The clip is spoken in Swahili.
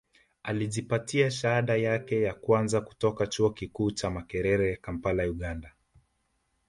Alijipatia shahada yake ya kwanza kutoka Chuo Kikuu cha Makerere Kampala Uganda